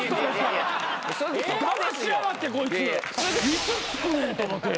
いつ着くねんと思うて。